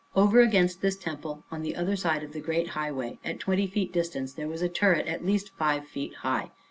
Over against this temple, on the other side of the great highway, at twenty feet distance, there was a turret at least five feet high.